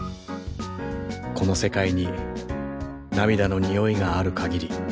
この世界に涙の匂いがある限り。